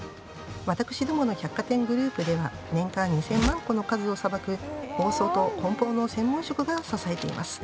私どもの百貨店グループでは年間２０００万個の数をさばく包装と梱包の専門職が支えています。